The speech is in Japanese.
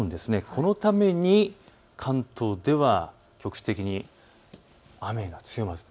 このために関東では局地的に雨が強まる。